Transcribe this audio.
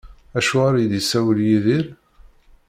Acuɣer i d-isawel Yidir?